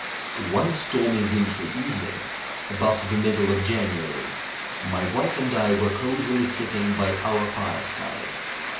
One stormy, wintry evening about the middle of January, my wife and I were cosily sitting by our fire side.